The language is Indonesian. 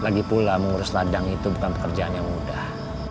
lagi pula mengurus ladang itu bukan pekerjaan yang mudah